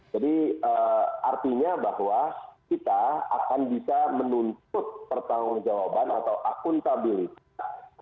artinya bahwa kita akan bisa menuntut pertanggung jawaban atau akuntabilitas